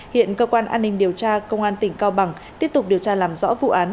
hiện cơ quan an ninh điều tra công an tỉnh cao bằng tiếp tục điều tra làm rõ vụ án